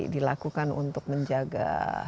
dilakukan untuk menjaga